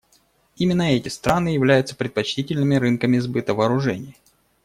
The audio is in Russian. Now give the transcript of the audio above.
Именно эти страны являются предпочтительными рынками сбыта вооружений.